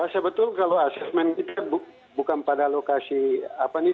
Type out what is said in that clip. sebetulnya kalau asesmen itu bukan pada lokasi apa ini